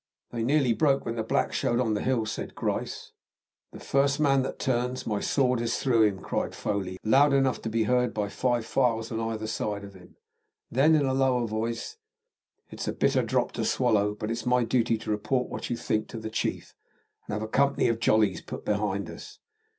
"They nearly broke when the blacks showed on the hill," said Grice. "The first man that turns, my sword is through him," cried Foley, loud enough to be heard by five files on either side of him. Then, in a lower voice, "It's a bitter drop to swallow, but it's my duty to report what you think to the chief, and have a company of Jollies put behind us."